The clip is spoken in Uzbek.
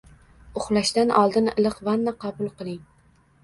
Uxlashdan oldin iliq vanna qabul qiling.